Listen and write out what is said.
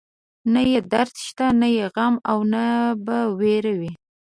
نه يې درد شته، نه يې غم او نه به وير وي